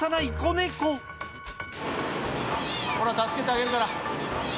ほら、助けてあげるから。